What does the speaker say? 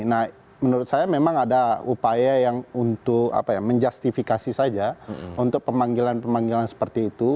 nah menurut saya memang ada upaya yang untuk menjustifikasi saja untuk pemanggilan pemanggilan seperti itu